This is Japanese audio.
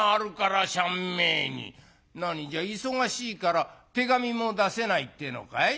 「何じゃあ忙しいから手紙も出せないっていうのかい？